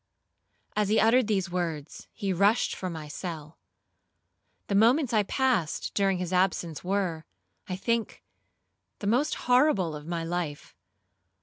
'As he uttered these words he rushed from my cell. The moments I passed during his absence were, I think, the most horrible of my life.